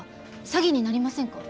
詐欺になりませんか？